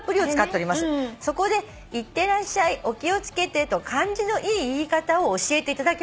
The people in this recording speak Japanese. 「そこで『いってらっしゃい』『お気を付けて』と感じのいい言い方を教えていただけませんか？」